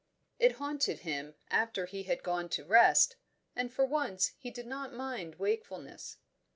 It haunted him after he had gone to rest, and for once he did not mind wakefulness.